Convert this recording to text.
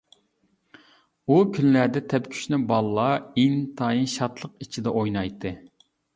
ئۇ كۈنلەردە تەپكۈچنى بالىلار ئىنتايىن شادلىق ئىچىدە ئويناتتى.